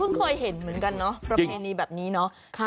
เคยเห็นเหมือนกันเนาะประเพณีแบบนี้เนาะ